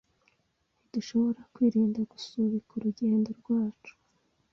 Ntidushobora kwirinda gusubika urugendo rwacu.